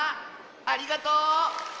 ありがとう！